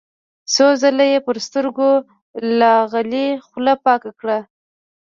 څو ځله يې پر سترګو لاغلې خوله پاکه کړه.